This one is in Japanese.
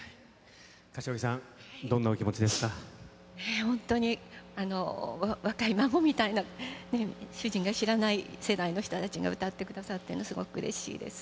柏木さん、どんなお気持ちで本当に、若い孫みたいな、主人が知らない世代の人たちが歌ってくださっているの、すごくうれしいです。